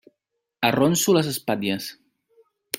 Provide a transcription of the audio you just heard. Arronso les espatlles.